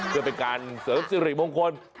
เพื่อเป็นการเสริมสิริมงคล